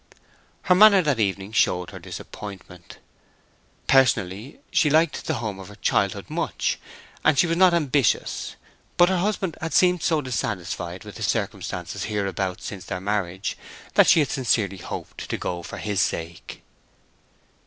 Her manner that evening showed her disappointment. Personally she liked the home of her childhood much, and she was not ambitious. But her husband had seemed so dissatisfied with the circumstances hereabout since their marriage that she had sincerely hoped to go for his sake.